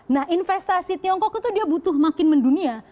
nah investasi tiongkok itu dia butuh makin mendunia